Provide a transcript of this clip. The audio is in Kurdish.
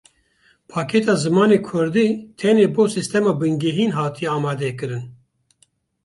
Pakêta zimanê kurdî tenê bo sîstema bingehîn hatiye amadekirin.